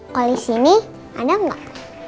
kalau di sini ada nggak